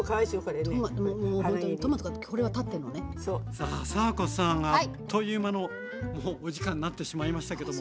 さあ佐和子さんあっという間のもうお時間になってしまいましたけども。